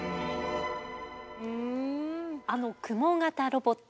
あのクモ型ロボット